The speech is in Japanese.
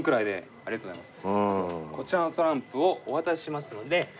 ありがとうございます。